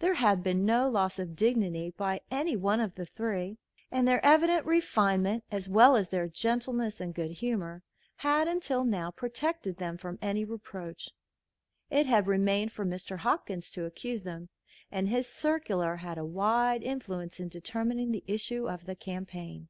There had been no loss of dignity by any one of the three, and their evident refinement, as well as their gentleness and good humor, had until now protected them from any reproach. It had remained for Mr. Hopkins to accuse them, and his circular had a wide influence in determining the issue of the campaign.